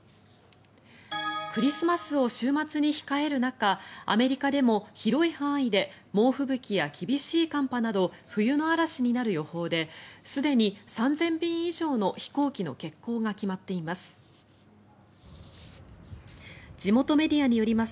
クリスマスを週末に控える中アメリカでも広い範囲で猛吹雪や厳しい寒波など冬の嵐になる予報ですでに３０００便以上の飛行機の欠航が決まっています。